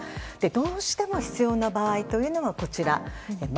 どうしても必要な場合というのはこちら。